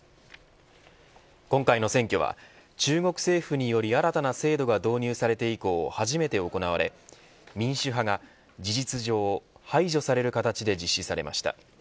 今回の選挙は中国政府により新たな制度が導入されて以降初めて行われ民主派が事実上排除される形で実施されました。